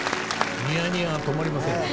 ニヤニヤが止まりませんね。